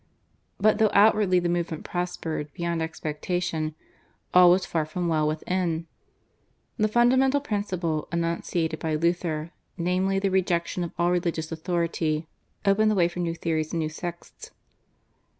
But though outwardly the movement prospered beyond expectation all was far from well within. The fundamental principle enunciated by Luther, namely, the rejection of all religious authority, opened the way for new theories and new sects.